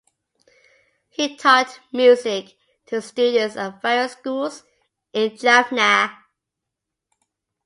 He taught music to students at various schools in Jaffna.